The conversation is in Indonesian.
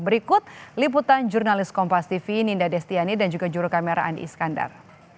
berikut liputan jurnalis kompas tv ninda destiani dan juga juru kamera andi iskandar